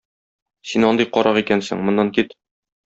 Син андый карак икәнсең, моннан кит!